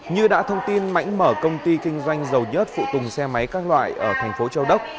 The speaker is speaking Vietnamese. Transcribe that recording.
như đã thông tin mãnh mở công ty kinh doanh giàu nhất phụ tùng xe máy các loại ở tp châu đốc